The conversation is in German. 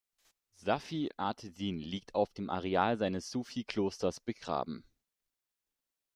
Safi ad-Din liegt auf dem Areal seines Sufi-„Klosters“ begraben.